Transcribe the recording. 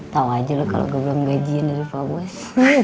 tau aja lo kalo gue belum ngajiin dari pak bos